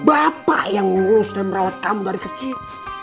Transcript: bapak yang ngurus dan merawat kamu dari kecil